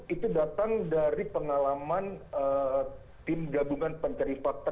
itu datang dari pengalaman tim gabungan pencari fakta